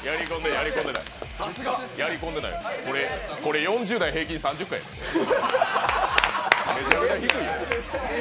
やり込んでない、４０代平均３０回、めちゃくちゃ低いよ、これ。